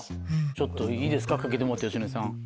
ちょっといいですかかけてもらって芳根さん。